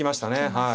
はい。